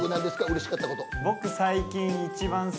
うれしかったこと」